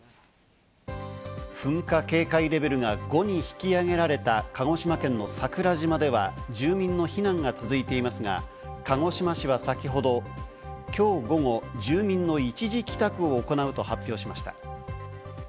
噴火警戒レベルが５に引き上げられた鹿児島県の桜島では、住民の避難が続いていますが、鹿児島市は先ほど今日午後、住民の一時帰宅を行うと発表しました。